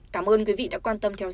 cảm ơn quý vị đã quan tâm theo dõi